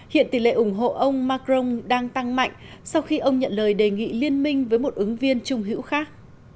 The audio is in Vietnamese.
hiện tỷ lệ ủng hộ ông macron đang tăng mạnh sau khi ông nhận lời đề nghị liên minh với một ứng viên trung hữu khác